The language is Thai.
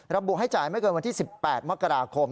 ระบุให้จ่ายไม่เกินวันที่๑๘มกราคม